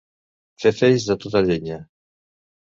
Fer feix de tota llenya.